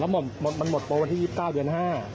มันหมดโปรวันที่๒๙เดือน๕